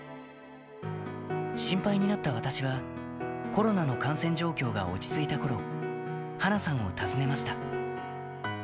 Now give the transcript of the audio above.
心配になった私は、コロナの感染状況が落ち着いたころ、華さんを訪ねました。